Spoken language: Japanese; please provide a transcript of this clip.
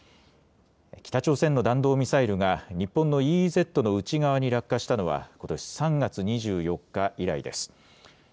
北朝鮮の弾道ミサイルが日本のＥＥＺの内側に落下したのは、ことし３月２４日以来です。